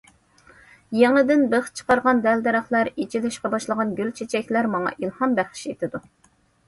يېڭىدىن بىخ چىقارغان دەل- دەرەخلەر، ئېچىلىشقا باشلىغان گۈل- چېچەكلەر ماڭا ئىلھام بەخش ئېتىدۇ.